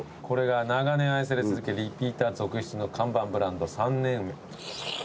これが長年愛され続けるリピーター続出の看板ブランド三年梅。